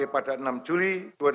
pada enam juli dua ribu dua puluh